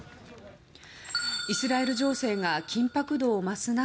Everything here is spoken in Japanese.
イスラエル情勢が緊迫度を増す中